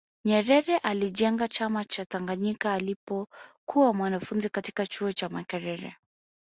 nyerere alijenga chama cha tanganyika alipokuwa mwanafunzi katika chuo cha makerere